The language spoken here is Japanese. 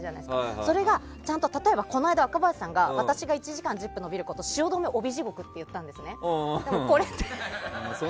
それがちゃんと例えばこの間、若林さんが私が１時間延びることを汐留帯地獄っていうんですね。